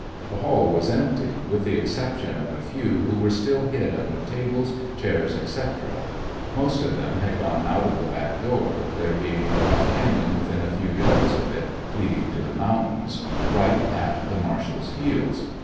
The hall was empty, with the exception of a few who were still hid under tables, chairs, etc. Most of them had gone out of the back door, there being a rough canyon within a few yards of it leading to the mountains, right at the marshal's heels.